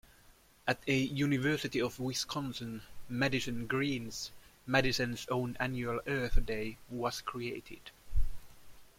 At a University of Wisconsin, Madison Greens, Madison's own annual Earth Day was created.